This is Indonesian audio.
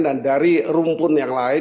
dan dari rumpun yang lain